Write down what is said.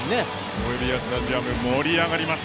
ノエビアスタジアム盛り上がります。